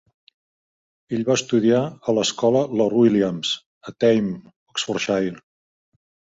Ell va estudiar a l'escola Lord Williams, a Thame, Oxfordshire.